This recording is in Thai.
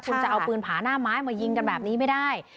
คุณจะเอาปืนผาหน้าไม้มายิงกันแบบนี้ไม่ได้